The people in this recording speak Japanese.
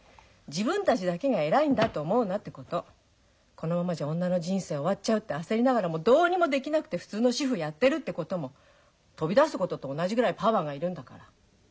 このままじゃ女の人生終わっちゃうって焦りながらもどうにもできなくて普通の主婦やってるってことも飛び出すことと同じぐらいパワーがいるんだから。